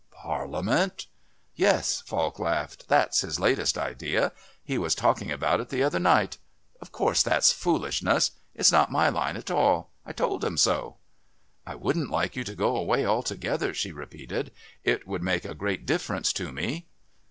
"Parliament?" "Yes," Falk laughed. "That's his latest idea. He was talking about it the other night. Of course, that's foolishness. It's not my line at all. I told him so." "I wouldn't like you to go away altogether," she repeated. "It would make a great difference to me."